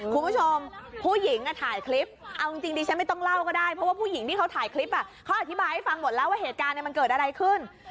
คุณผู้ชมผู้หญิงถ่ายคลิปเอาจริงดิฉันไม่ต้องเล่าก็ได้เพราะว่าผู้หญิงที่เขาถ่ายคลิปเขาอธิบายให้ฟังหมดแล้วว่าเหตุการณ์มันเกิดอะไรขึ้น